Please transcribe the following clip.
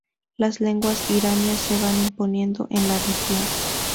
Las lenguas iranias se van imponiendo en la región.